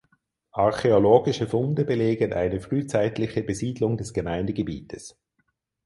Archäologische Funde belegen eine frühzeitliche Besiedlung des Gemeindegebietes.